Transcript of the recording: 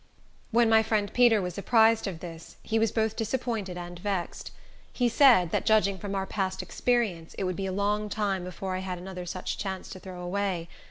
When my friend Peter was apprised of this, he was both disappointed and vexed. He said, that judging from our past experience, it would be a long time before I had such another chance to throw away.